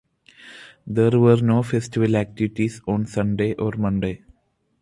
There were no Festival activities on Sunday or Monday.